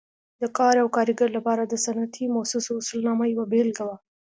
د کار او کارګر لپاره د صنعتي مؤسسو اصولنامه یوه بېلګه وه.